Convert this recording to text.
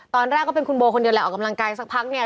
ตอนแรกก็เป็นคุณโบคนเดียวแหละออกกำลังกายสักพักเนี่ย